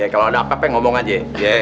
kalau ada apa apa yang ngomong aja